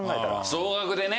総額でね。